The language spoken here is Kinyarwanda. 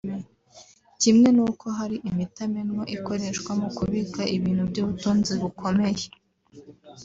kimwe n’uko hari imitamenwa ikoreshwa mu kubika ibintu by’ubutunzi bukomeye